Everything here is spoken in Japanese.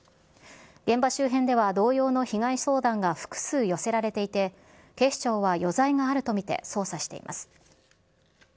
現場周辺では同様の被害相談が複数寄せられていて、警視庁は余罪があると見て捜査しています。